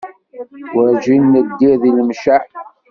Werǧin neddir deg Lemceɛ.